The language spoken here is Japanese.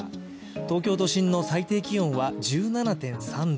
東京都心の最低気温は１７．３度。